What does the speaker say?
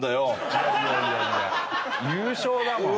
いやいやいやいや優勝だもん。